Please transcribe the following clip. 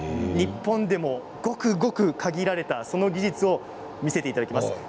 日本でもごくごく限られたその技術を見せていただきます。